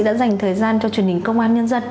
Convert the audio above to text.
đã dành thời gian cho truyền hình công an nhân dân